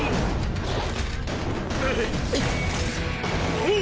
おっ！